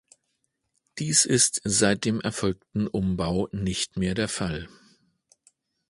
Dies ist seit dem erfolgten Umbau nicht mehr der Fall.